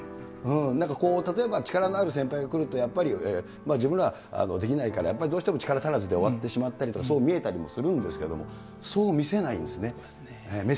なんか例えば、力のある先輩が来るとやっぱり、自分ではできないから、やっぱりどうしても力足らずで終わってしまったりとか、そういう見えたりもするんですけれども、そう見せないんですね。